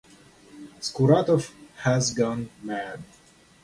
Skuratov has gone mad.